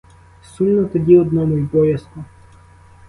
Сумно тоді одному й боязко.